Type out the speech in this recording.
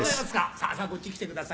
さあさあこっち来てくださいよ」